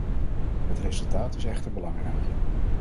Het resultaat is echter belangrijk.